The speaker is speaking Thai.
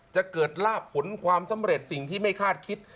จะเกิดลาบผลความสำเร็จสิ่งที่ไม่คาดคิด